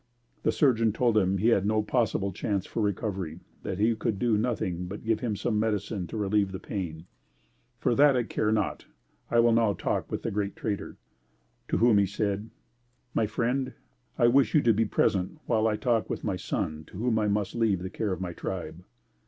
The surgeon told him he had no possible chance for recovery; that he could do nothing but give him some medicine to relieve the pain. "For that I care not. I will now talk with the 'Great Trader,'" to whom he said, "My friend, I wish you to be present while I talk with my son to whom I must leave the care of my tribe."